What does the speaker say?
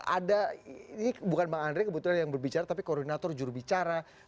ada ini bukan bang andre kebetulan yang berbicara tapi koordinator jurubicara